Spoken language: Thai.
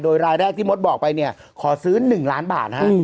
โดยรายแรกที่มดบอกไปเนี่ยขอซื้อ๑ล้านบาทฮะ